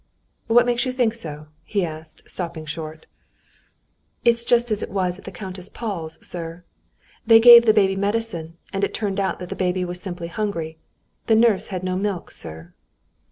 "What makes you think so?" he asked, stopping short. "It's just as it was at Countess Paul's, sir. They gave the baby medicine, and it turned out that the baby was simply hungry: the nurse had no milk, sir."